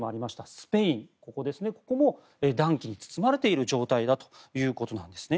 スペインここも暖気に包まれている状態だということなんです。